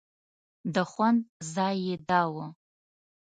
د خوند ځای یې دا و.